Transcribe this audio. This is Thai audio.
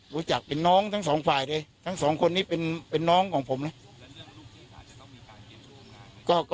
รู้จักเป็นน้องทั้งสองฝ่ายเลยทั้งสองคนนี้เป็นน้องของผมนะ